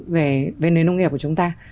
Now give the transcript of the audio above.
về nơi nông nghiệp của chúng ta